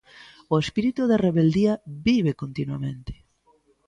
O espírito de rebeldía vive continuamente.